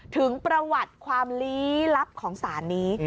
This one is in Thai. ถึงประวัติความลี้ลับของสารนี้